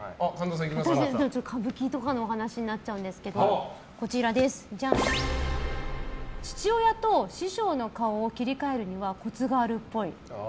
歌舞伎とかの話になるんですけど父親と師匠の顔を切り替えるにはコツがあるっぽい。